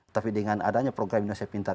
tapi dengan adanya program indonesia pintar